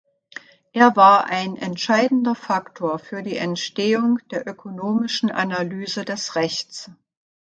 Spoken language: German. Er war ein entscheidender Faktor für die Entstehung der ökonomischen Analyse des Rechts.